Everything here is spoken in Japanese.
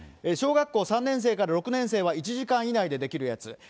小学校３年生から６年生は１時間以内でできるやつ。